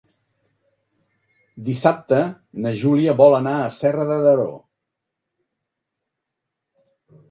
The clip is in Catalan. Dissabte na Júlia vol anar a Serra de Daró.